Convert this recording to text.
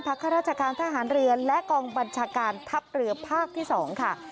ข้าราชการทหารเรือและกองบัญชาการทัพเรือภาคที่๒ค่ะ